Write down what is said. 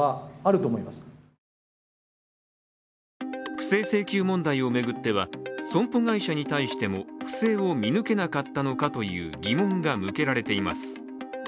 不正請求問題を巡っては損保会社に対しても不正を見抜けなかったのかという疑問が向けられています。